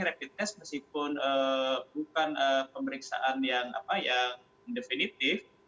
rapid test meskipun bukan pemeriksaan yang definitif